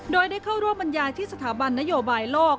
โดยได้เข้าร่วมบรรยายที่สถาบันนโยบายโลก